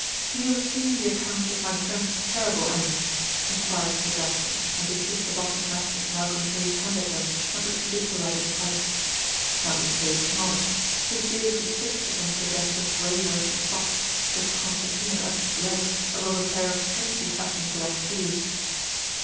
"You have seen the accounts of my friend's terrible end?" enquired Sir Jasper, as he took the box of matches Malcolm Sage handed him and proceeded to light his pipe. Malcolm Sage nodded. His gaze was fixed upon Sir Jasper's grey worsted socks, which concertinaed up his legs above a pair of strangely fashioned black shoes.